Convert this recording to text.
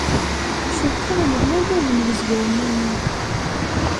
Cukkeɣ yella wayen yezwaren aya.